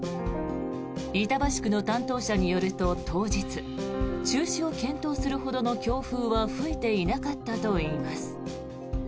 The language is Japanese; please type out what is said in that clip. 板橋区の担当者によると、当日中止を検討するほどの強風は吹いていなかったといいます。